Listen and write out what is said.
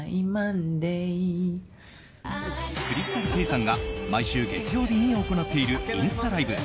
ＣｒｙｓｔａｌＫａｙさんが毎週月曜日に行っているインスタライブ